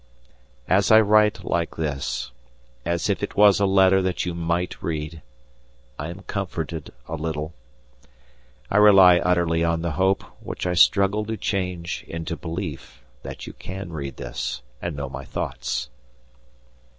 "] As I write like this, as if it was a letter that you might read, I am comforted a little; I rely utterly on the hope, which I struggle to change into belief, that you can read this and know my thoughts.